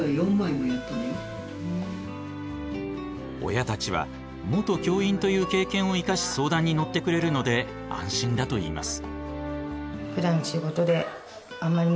親たちは元教員という経験を生かし相談に乗ってくれるので安心だといいます。